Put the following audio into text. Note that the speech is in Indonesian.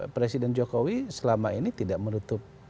presiden jokowi selama ini tidak menutup